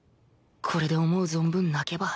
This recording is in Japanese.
これで思う存分泣けば